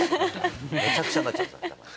めちゃくちゃになっちゃう。